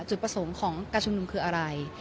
จุดประสงค์ของการชุมนุมคืออะไร